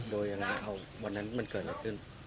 โดยยังไงเอาวันนั้นมันเกิดอะไรขึ้น